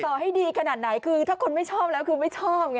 ต่อให้ดีขนาดไหนคือถ้าคนไม่ชอบแล้วคือไม่ชอบไง